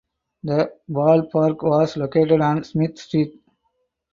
The ballpark was located on Smith Street.